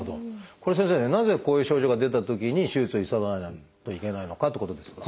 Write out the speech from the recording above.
これ先生ねなぜこういう症状が出たときに手術を急がないといけないのかってことですが。